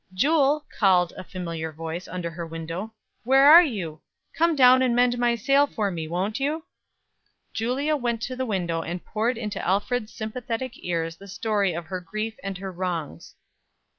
"Jule," called a familiar voice, under her window, "where are you? Come down and mend my sail for me, won't you?" Julia went to the window and poured into Alfred's sympathetic ears the story of her grief and her wrongs.